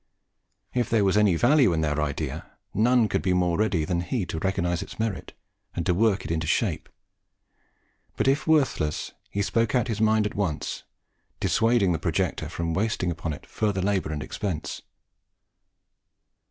If there was any value in their idea, none could be more ready than he to recognise its merit, and to work it into shape; but if worthless, he spoke out his mind at once, dissuading the projector from wasting upon it further labour or expense.